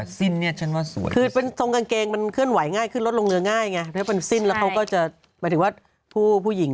อันนี้ก็คิดหนักครับสิ้นนี้ฉะนั้นว่าสวย